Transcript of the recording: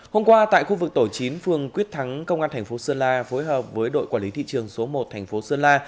hôm qua tại khu vực tổ chín phường quyết thắng công an tp sơn la phối hợp với đội quản lý thị trường số một tp sơn la